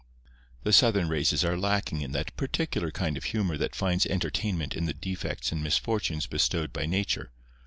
The southern races are lacking in that particular kind of humour that finds entertainment in the defects and misfortunes bestowed by Nature.